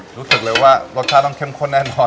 รู้สึกเลยว่ารสชาติต้องเข้มข้นแน่นอน